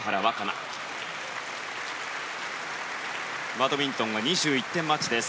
バドミントンは２１点マッチです。